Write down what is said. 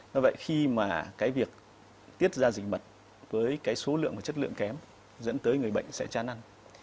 do vậy khi mà cái việc tiết ra dình mật với cái số lượng và chất lượng kém dẫn tới người bệnh sẽ chán ăn